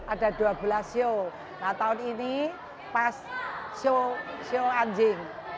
ada dua belas show nah tahun ini pas sio anjing